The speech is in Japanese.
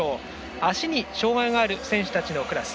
足に障がいがある選手たちのクラス。